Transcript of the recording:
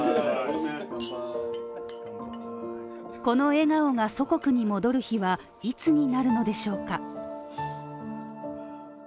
この笑顔が祖国に戻る日はいつになるのでしょうか。